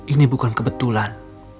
ini bukan kebetulan